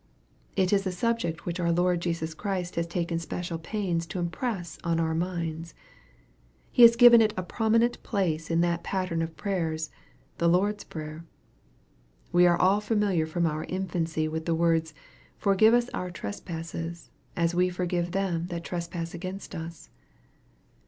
It is a subject which our Lord Jesus Christ has taken special pains to impress on our minds. He has given it a prominent place in that pattern of prayers, the Lord's prayer. We are all familiar from our infancy with the words, " forgive us our trespasses as we forgive them that trespass against us."